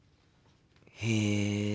へえ。